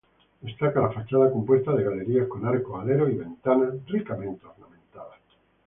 Destaca la fachada compuesta de galerías con arcos, aleros y ventanas ricamente ornamentadas.